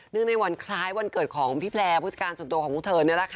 เนื่องในวันคล้ายวันเกิดของพี่แพลร์ผู้จัดการส่วนตัวของคุณเธอ